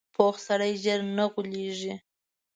پوخ سړی ژر نه غولېږي